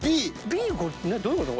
Ｂどういうこと？